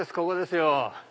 ここですよ。